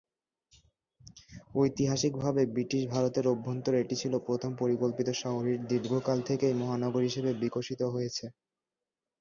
ঐতিহাসিকভাবে ব্রিটিশ ভারতের অভ্যন্তরে এটি ছিল প্রথম পরিকল্পিত শহর, এটি দীর্ঘকাল থেকেই মহানগরী হিসাবে বিকশিত হয়েছে।